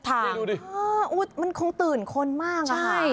มันทับตื่นคนมากครึ่งเนี่ย